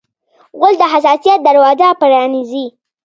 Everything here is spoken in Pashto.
غول د حساسیت دروازه پرانیزي.